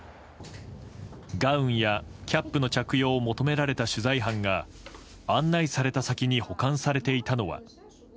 ガウンやキャップの着用を求められた取材班が案内された先に保管されていたのは。